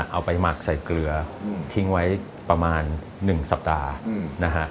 หมักใส่เกลือทิ้งไว้ประมาณ๑สัปดาห์นะฮะ